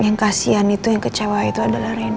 yang kasihan itu yang kecewa itu adalah renna